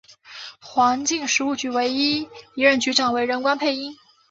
环境食物局唯一一任局长为任关佩英。